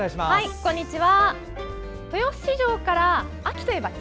こんにちは。